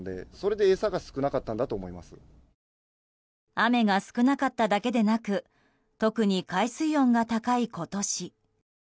雨が少なかっただけでなく特に海水温が高い今年。